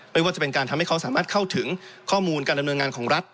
ไม่ว่าจะเป็นการทำให้เขาสามารถเข้าถึงข้อมูลการดำเนินงานของรัฐ